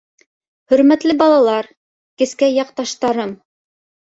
— Хөрмәтле балалар, кескәй яҡташтарым!